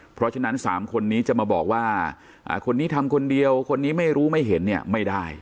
เพราะฉะนั้น๓คนนี้จะมาบอกว่าคนนี้ทำคนเดียวคนนี้ไม่รู้ไม่เห็นเนี่ยไม่ได้